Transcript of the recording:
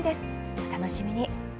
お楽しみに。